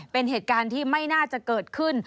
เป็นเหตุการณ์ที่ไม่น่าจะเกิดขึ้น